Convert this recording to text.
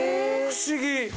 不思議。